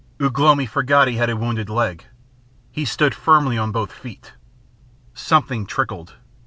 Ugh lomi forgot he had a wounded leg. He stood firmly on both feet. Something trickled.